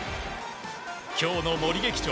今日の森劇場